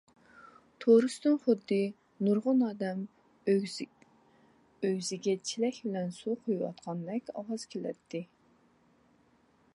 تورۇستىن خۇددى نۇرغۇن ئادەم ئۆگزىگە چېلەك بىلەن سۇ قۇيۇۋاتقاندەك ئاۋاز كېلەتتى.